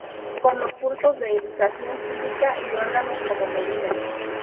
Con los cursos de Educación cívica y órganos como Medina.